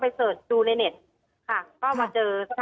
มันเป็นอาหารของพระราชา